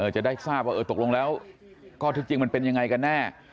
จะได้ทราบว่าตกลงแล้วข้อที่จริงมันเป็นยังไงกันแน่